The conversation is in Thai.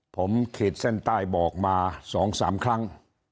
ผมเขตเส้นใต้บอกมาสองสามครั้ง